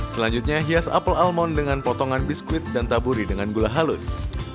selanjutnya hias apel almond dengan potongan biskuit dan taburi dengan gula halus